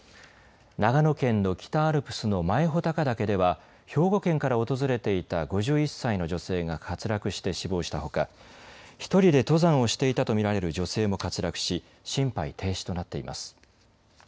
長野県の北アルプスの前穂高岳では兵庫県から訪れていた５１歳の女性が滑落して死亡したほか１人で登山をしていたと見られる女性も滑落し心肺停止となっています。